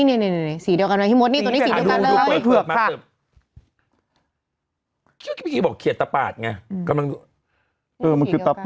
นี่อย่างเดียวกันบ้างที่โมด